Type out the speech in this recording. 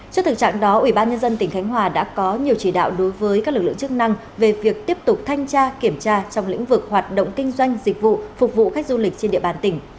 trước thực trạng đó ubnd tỉnh khánh hòa đã có nhiều chỉ đạo đối với các lực lượng chức năng về việc tiếp tục thanh tra kiểm tra trong lĩnh vực hoạt động kinh doanh dịch vụ phục vụ khách du lịch trên địa bàn tỉnh